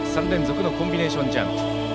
３連続のコンビネーションジャンプ。